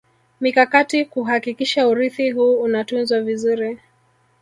Mikakati kuhakikisha urithi huu unatunzwa vizuri